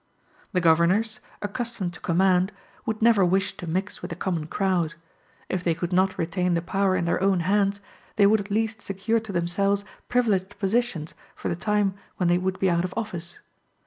The governors, accustomed to command, would never wish to mix with the common crowd. If they could not retain the power in their own hands, they would at least secure to themselves privileged positions for the time when they would be out of office.